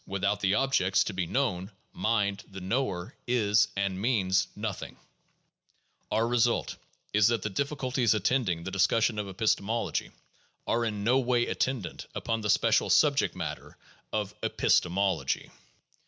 Without the objects to be known, mind, the knower, is and means nothing," Our result is that the difficulties attending the discussion of epistemology are in no way attendant upon the special subject matter of '' epistemology.